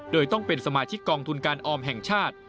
โดยต้องเป็นสมาชิกกองทุนการออมแห่งชาติ